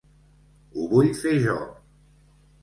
Ho vull fer jo.